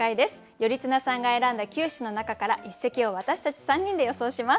頼綱さんが選んだ９首の中から一席を私たち３人で予想します。